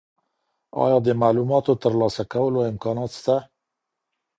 ایا د معلوماتو د ترلاسه کولو امکانات شته؟